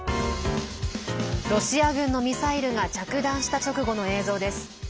ロシア軍のミサイルが着弾した直後の映像です。